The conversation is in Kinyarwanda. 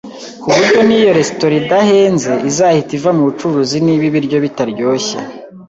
kuburyo niyo resitora idahenze, izahita iva mubucuruzi niba ibiryo bitaryoshye.